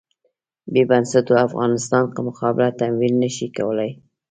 بې بنسټونو افغانستان مقابله تمویل نه شي کولای.